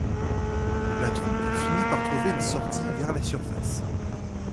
La troupe finit par trouver une sortie vers la surface.